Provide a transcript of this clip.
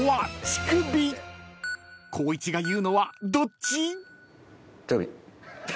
［光一が言うのはどっち？］